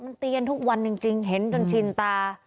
มันเตียนทุกวันจริงเห็นจนชินตา